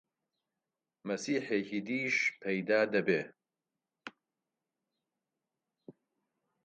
مەسیحێکی دیش پەیدا دەبێ!